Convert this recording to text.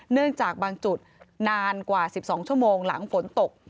เนื่องจากบางจุดนานกว่า๑๒ชั่วโมงหลังฝนตก